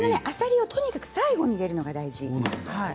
あさりを、とにかく最後に入れるのが大事。